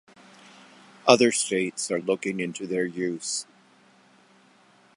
Other States are looking into their use.